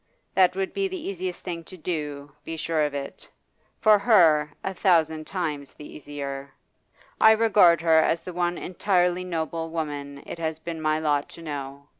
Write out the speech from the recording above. That would be the easier thing to do, be sure of it for her, a thousand times the easier. I regard her as the one entirely noble woman it has been my lot to know.